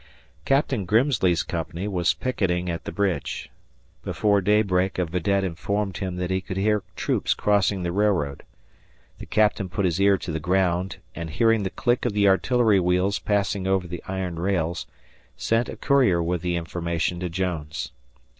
Captain Grimsley's company was picketing at the bridge. Before daybreak a vidette informed him that he could hear troops crossing the railroad. The captain put his ear to the ground and, hearing the click of the artillery wheels passing over the iron rails, sent a courier with the information to Jones.